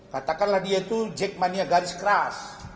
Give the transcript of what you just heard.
katakanlah dia itu jack mania garis keras